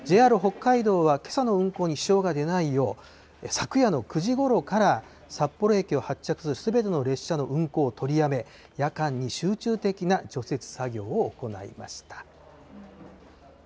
ＪＲ北海道はけさの運行に支障が出ないよう、昨夜の９時ごろから札幌駅を発着するすべての列車の運行を取りやめ、夜間に集中的な除雪作業を行いました。